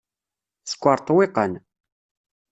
Sekkeṛ ṭṭwiqan.